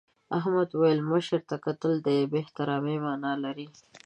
احمد وویل مشر ته کتل د بې احترامۍ مانا لري.